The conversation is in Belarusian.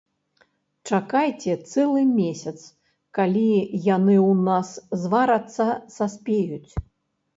Чакайце цэлы месяц, калі яны ў нас зварацца-саспеюць.